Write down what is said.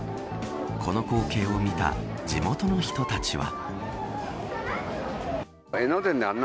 この光景を見た地元の人たちは。